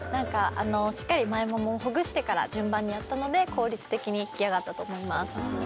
しっかり前ももをほぐしてから順番にやったので効率的に引き上がったと思います